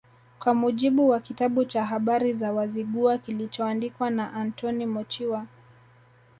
Kwa mujibu wa kitabu cha Habari za Wazigua kilichoandikwa na Antoni Mochiwa